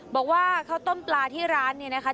บอกว่าข้าวต้มปลาที่ร้านเนี่ยนะคะ